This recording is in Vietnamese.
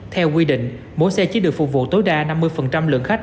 theo quy định mỗi xe chỉ được phục vụ tối đa năm mươi lượng khách